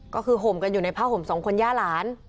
ก็คือห่มกันอยู่ในผ้าห่มสองคนย่าหลาน